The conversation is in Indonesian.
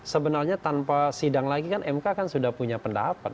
sebenarnya tanpa sidang lagi kan mk kan sudah punya pendapat